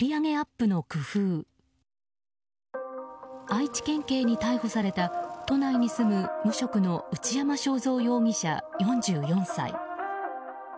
愛知県警に逮捕された都内に住む無職の内山省三容疑者、４４歳。